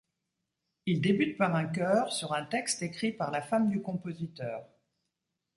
Il débute par un chœur sur un texte écrit par la femme du compositeur.